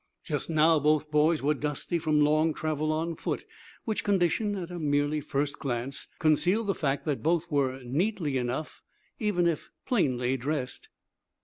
Just now, both boys were dusty from long travel on foot, which condition, at a merely first glance, concealed the fact that both were neatly enough, even if plainly, dressed.